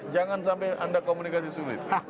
jangan sampai anda komunikasi sulit